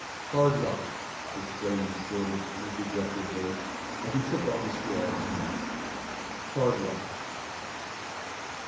"Hard luck!" exclaimed Shorty, in a dejected voice, as he took off his glove and mask. "Hard luck!"